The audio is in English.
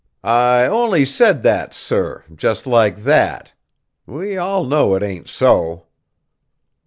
"I only said that, sir, just like that. We all know it ain't so."